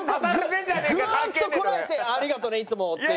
グーッとこらえて「ありがとうねいつも」って。